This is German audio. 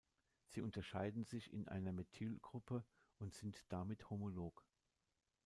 Sie unterscheiden sich in einer Methylgruppe und sind damit homolog.